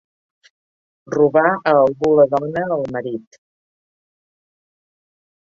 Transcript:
Robar a algú la dona, el marit.